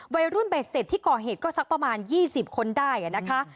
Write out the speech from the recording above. เบ็ดเสร็จที่ก่อเหตุก็สักประมาณ๒๐คนได้นะคะ